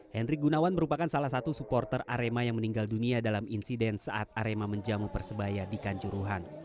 henry gunawan merupakan salah satu supporter arema yang meninggal dunia dalam insiden saat arema menjamu persebaya di kanjuruhan